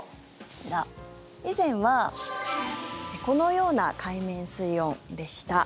こちら、以前はこのような海面水温でした。